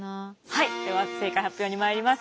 はいでは正解発表にまいります。